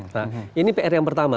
nah ini pr yang pertama